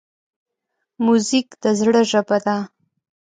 موزیک د زړه ژبه ده.